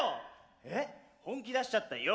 えっ本気出しちゃったＹＯ！